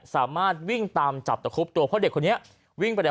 สามารถวิ่งตามจับตะคุบตัวเพราะเด็กคนนี้วิ่งไปได้